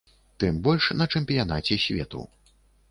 Тым больш на чэмпіянаце свету.